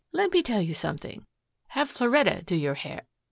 Let me tell you something. Have Floretta do your hair.